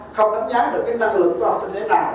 không đánh giá được cái năng lượng của học sinh thế nào